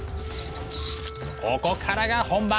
ここからが本番。